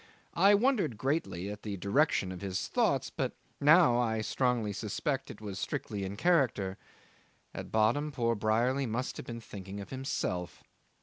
I wondered greatly at the direction of his thoughts, but now I strongly suspect it was strictly in character: at bottom poor Brierly must have been thinking of himself.